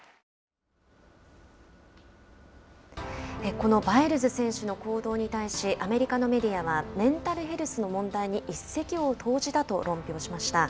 このバイルズ選手の行動に対しアメリカのメディアはメンタルヘルスの問題に一石を投じたと論評しました。